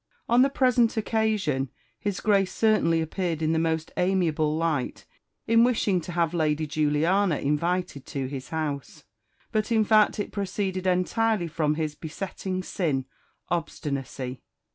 On the present occasion his Grace certainly appeared in the most amiable light in wishing to have Lady Juliana invited to his house; but in fact it proceeded entirely from his besetting sin, obstinacy.